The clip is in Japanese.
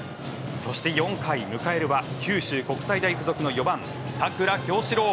そして４回、迎えるは九州国際大付属の４番佐倉侠史朗。